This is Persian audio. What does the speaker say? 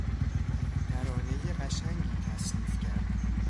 ترانهٔ قشنگی تصنیف کرد.